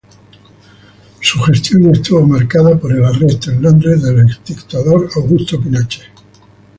Su gestión estuvo marcada por el arresto en Londres del exdictador Augusto Pinochet.